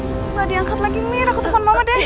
gak diangkat lagi mir aku telfon mama deh